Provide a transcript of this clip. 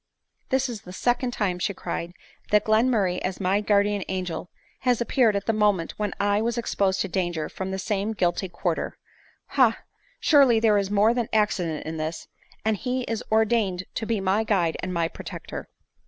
"This is the second time," cried she, "that Glenmur ray as my guardian angel, has appeared at the moment 7* 74 ADELINE MOWBRAY. when I was exposed to danger from the same guilty quarter ! Ah ! surely there is more than accident in this ! and he is ordained to be my guide and my protector